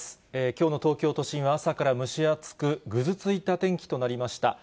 きょうの東京都心は、朝から蒸し暑く、ぐずついた天気となりました。